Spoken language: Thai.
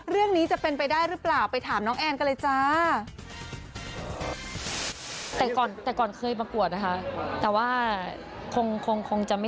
เรื่องนี้จะเป็นไปได้หรือเปล่าไปถามน้องแอนกันเลยจ้า